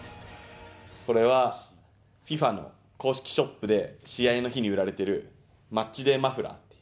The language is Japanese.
これはＦＩＦＡの公式ショップで、試合の日に売られている、マッチデーマフラー。